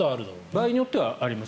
場合によってはあります。